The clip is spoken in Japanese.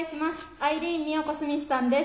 アイリーン・美緒子・スミスさんです。